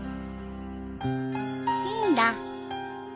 いいんだ。